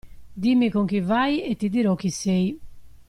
Dimmi con chi vai e ti dirò chi sei.